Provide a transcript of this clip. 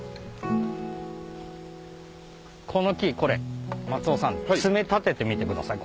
この木これ松尾さん爪立ててみてください